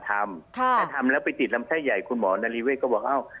ถ้าทำแล้วไปติดลำไส้ใหญ่คุณหมอนารีเวทก็บอก